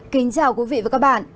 kính chào quý vị và các bạn